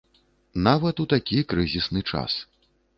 Нават у такі крызісны час.